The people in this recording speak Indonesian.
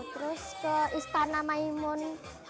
terus ke istana maimun